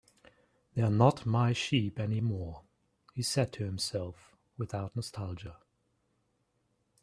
"They're not my sheep anymore," he said to himself, without nostalgia.